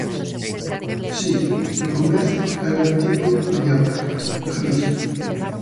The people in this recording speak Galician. Si, no comezo era un tipo mediocre, gris.